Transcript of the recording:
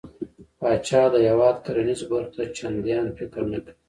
پاچا د هيواد کرنېزو برخو ته چنديان فکر نه کوي .